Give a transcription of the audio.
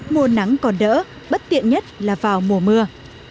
mùa nắng còn đỡ bất tiện nhất là vào mùa mưa